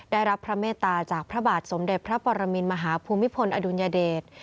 ได้รับพระเมตตาจากพระบาทสมเด็จพระปรมินมหาภูมิพลอดุลยเดช